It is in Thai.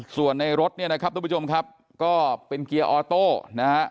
ส่วนในรถเนี่ยนะครับทุกผู้ชมครับก็เป็นเกียร์ออโต้นะฮะ